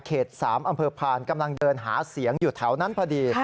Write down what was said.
๓อำเภอพานกำลังเดินหาเสียงอยู่แถวนั้นพอดี